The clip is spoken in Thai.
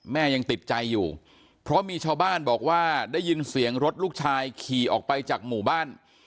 แม่ยังติดใจอยู่เพราะมีชาวบ้านบอกว่าได้ยินเสียงรถลูกชายขี่ออกไปจากหมู่บ้าน